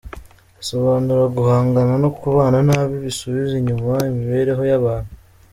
Asobanura guhangana, no kubana nabi bisubiza inyuma imibereho y’abantu.